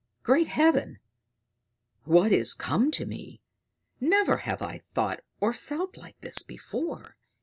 "Great Heaven! What is come to me! Never have I thought or felt like this before!